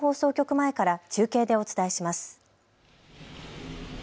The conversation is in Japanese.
前から中継でお伝えします。